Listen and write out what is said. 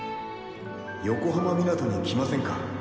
横浜湊に来ませんか？